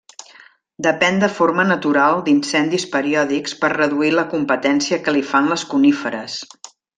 Depèn de forma natural d'incendis periòdics per reduir la competència que li fan les coníferes.